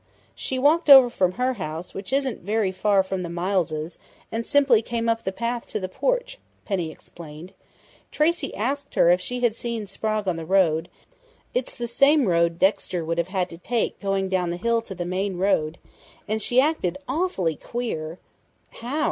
"She walked over from her house, which isn't very far from the Mileses', and simply came up the path to the porch," Penny explained. "Tracey asked her if she had seen Sprague on the road it's the same road Dexter would have had to take going down the hill to the main road and she acted awfully queer " "How?"